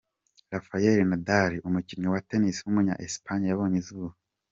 Rafael Nadal, umukinnyi wa Tennis w’umunya-Espagne yabonye izuba.